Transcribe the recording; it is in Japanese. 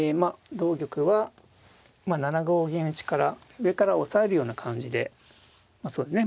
同玉は７五銀打から上から押さえるような感じでそうですね